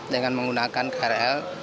dengan menggunakan krl